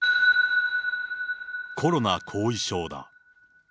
コロナ後遺症だ。